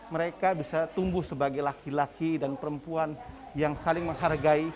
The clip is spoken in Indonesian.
mereka bisa tumbuh sebagai laki laki dan perempuan yang saling menghargai